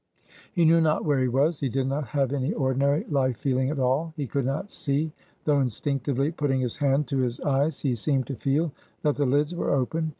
He knew not where he was; he did not have any ordinary life feeling at all. He could not see; though instinctively putting his hand to his eyes, he seemed to feel that the lids were open.